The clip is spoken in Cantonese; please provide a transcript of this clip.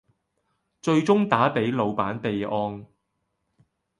最終打俾老闆備案